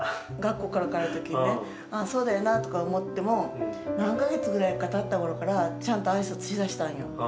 「ああそうだよな」とか思っても何か月ぐらいかたった頃からちゃんと挨拶しだしたんよ。